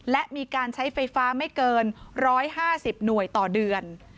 และมีการใช้ไฟฟ้าไม่เกิน๑๕๐หน่วยต่อเดือน